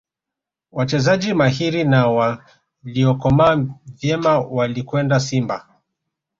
wachezaji mahiri na waliyokomaa vyema walikwenda simba